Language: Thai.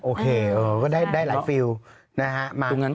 โอเคก็ได้หลายฟิลนะฮะ